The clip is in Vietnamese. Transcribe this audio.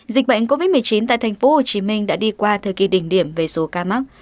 dịch bệnh covid một mươi chín tại tp hcm đã đi qua thời kỳ đỉnh điểm về số ca mắc